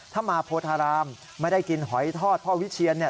ถ้ามาโพธารามไม่ได้กินหอยทอดพ่อวิเชียนเนี่ย